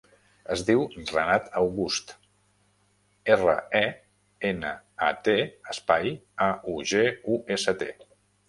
Es diu Renat August: erra, e, ena, a, te, espai, a, u, ge, u, essa, te.